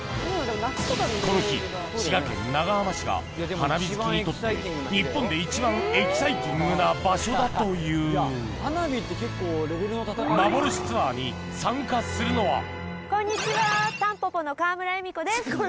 この日滋賀県長浜市が花火好きにとって日本で一番エキサイティングな場所だというこんにちはたんぽぽの川村エミコです。